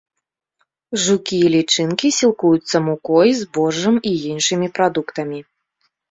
Жукі і лічынкі сілкуюцца мукой, збожжам і іншымі прадуктамі.